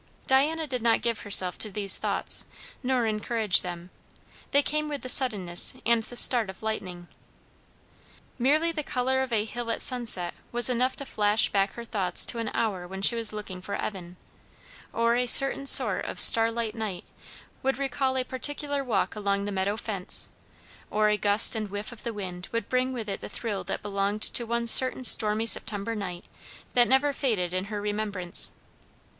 Diana did not give herself to these thoughts nor encourage them; they came with the suddenness and the start of lightning. Merely the colour of a hill at sunset was enough to flash back her thoughts to an hour when she was looking for Evan; or a certain sort of starlight night would recall a particular walk along the meadow fence; or a gust and whiff of the wind would bring with it the thrill that belonged to one certain stormy September night that never faded in her remembrance.